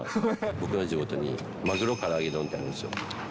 僕の地元に、鮪から揚げ丼ってあるんですよ。